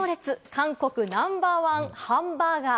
韓国ナンバーワンハンバーガー。